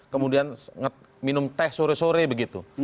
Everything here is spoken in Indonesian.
kemudian minum teh sore sore begitu